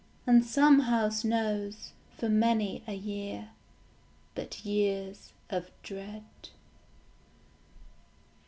And some house knows, for many a year, But years of dread.